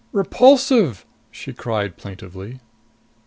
"Repulsive!" she cried plaintively.